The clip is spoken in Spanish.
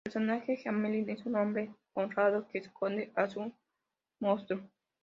El personaje Gamelin es un hombre honrado que esconde a un monstruo.